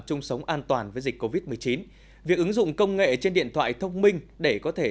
chung sống an toàn với dịch covid một mươi chín việc ứng dụng công nghệ trên điện thoại thông minh để có thể